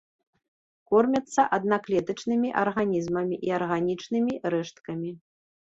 Кормяцца аднаклетачнымі арганізмамі і арганічнымі рэшткамі.